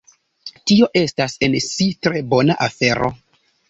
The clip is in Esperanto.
Tio estas en si tre bona afero.